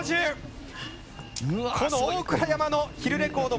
この大倉山のヒルレコード